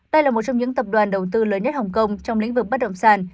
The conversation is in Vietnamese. đây là một trong những tập đoàn đầu tư lớn nhất hồng kông trong lĩnh vực bất động sản